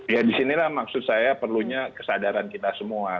ya disinilah maksud saya perlunya kesadaran kita semua